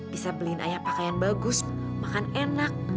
bisa beliin ayah pakaian bagus makan enak